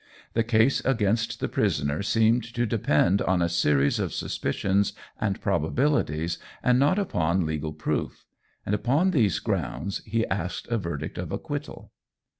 The case against the prisoner seemed to depend on a series of suspicions and probabilities, and not upon legal proof; and upon these grounds he asked a verdict of acquittal.